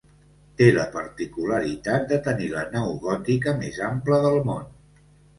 Té la particularitat de tenir la nau gòtica més ampla del món.